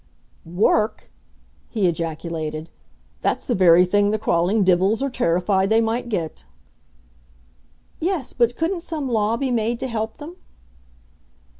"Work!" he ejaculated. "That's the very thing the crawling divils are terrified they might get." "Yes; but couldn't some law be made to help them?"